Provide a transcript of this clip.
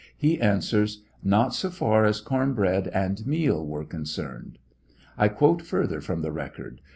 he answers, "Not so far as corn bread and meal were concerned." I quote further from the record : Q.